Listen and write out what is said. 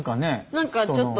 何かちょっと。